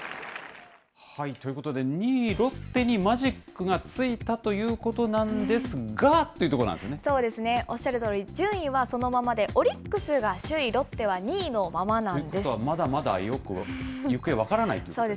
ということで、２位ロッテにマジックがついたということなんですがというところおっしゃるとおり、順位はそのままで、オリックスが首位、ロッテは２位のままなんです。